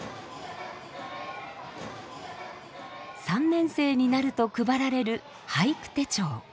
３年生になると配られる俳句手帳。